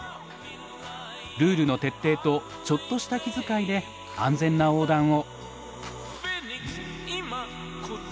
ルールの徹底とちょっとした気遣いで安全な横断を。